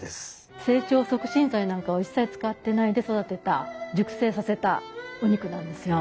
成長促進剤なんかを一切使ってないで育てた熟成させたお肉なんですよ。